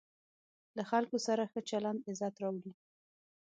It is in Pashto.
له خلکو سره ښه چلند عزت راوړي.